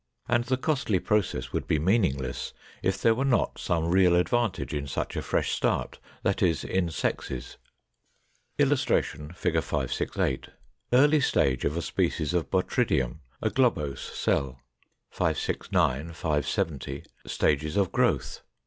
And the costly process would be meaningless if there were not some real advantage in such a fresh start, that is, in sexes. [Illustration: Fig. 568. Early stage of a species of Botrydium, a globose cell. 569, 570. Stages of growth.